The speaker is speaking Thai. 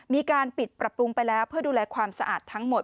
มีการปิดปรับปรุงไปแล้วเพื่อดูแลความสะอาดทั้งหมด